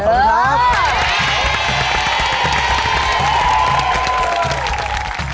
ขอบคุณครับ